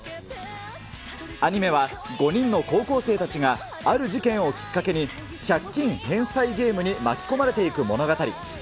アニメは、５人の高校生たちがある事件をきっかけに、借金返済ゲームに巻き込まれていく物語。